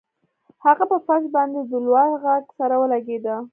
هغه په فرش باندې د لوړ غږ سره ولګیده